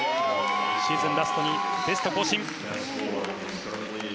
シーズンラストにベスト更新。